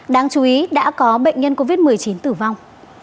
đáng chú ý đã có bệnh nhân covid một mươi chín tử vong